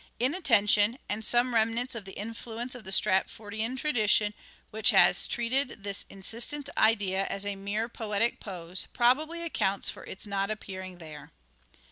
Inattention, and some remnants of the influence of the Stratfordian tradition, which has treated this insistent idea as a mere poetic pose, probably accounts for its not appearing there.